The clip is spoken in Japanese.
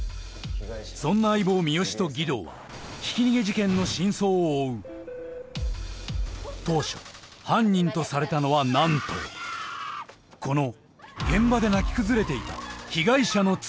そんな相棒三好と儀藤はひき逃げ事件の真相を追う当初犯人とされたのはなんとこの現場で泣き崩れていた被害者の妻